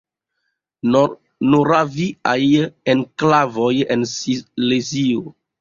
Moraviaj enklavoj en Silezio.